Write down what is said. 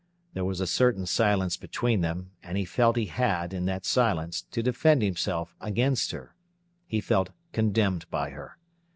There was a certain silence between them, and he felt he had, in that silence, to defend himself against her; he felt condemned by her.